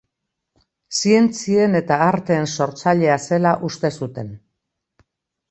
Zientzien eta arteen sortzailea zela uste zuten.